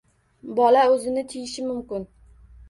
Bola o‘zini tiyishi mumkin